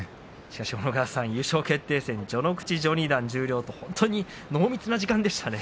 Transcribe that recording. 小野川さん、優勝決定戦序ノ口、序二段、十両と濃密な時間でしたね。